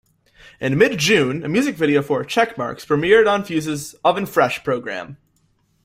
In mid-June, a music video for "Checkmarks" premiered on Fuse's "Oven Fresh" programme.